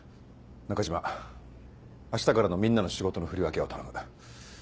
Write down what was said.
中嶋明日からのみんなの仕事の振り分けを頼む。